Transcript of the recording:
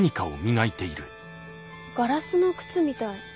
ガラスの靴みたい。